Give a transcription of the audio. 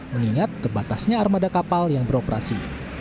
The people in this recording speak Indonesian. mengingat terbatasnya armada kapal yang beroperasi